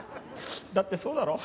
だってそうだろ？